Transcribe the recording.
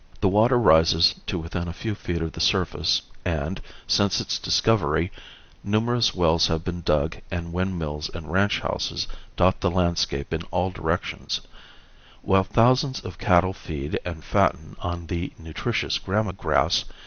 The water rises to within a few feet of the surface and, since its discovery, numerous wells have been dug and windmills and ranch houses dot the landscape in all directions; while thousands of cattle feed and fatten on the nutritious gramma grass.